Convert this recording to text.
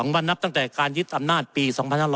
วันนับตั้งแต่การยึดอำนาจปี๒๕๖๐